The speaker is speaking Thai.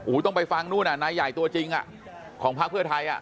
ต้องไปฟังนู่นนายใหญ่ตัวจริงของพักเพื่อไทย